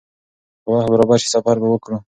که وخت برابر شي، سفر به وکړو.